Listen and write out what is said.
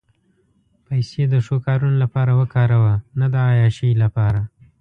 پېسې د ښو کارونو لپاره وکاروه، نه د عیاشۍ لپاره.